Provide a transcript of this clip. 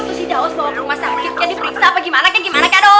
itu si daun bawah rumah sakitnya diperiksa apa gimana kaya gimana kado